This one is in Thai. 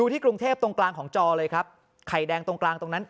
ตรงกลางของจอเลยครับไข่แดงตรงตรงนั้น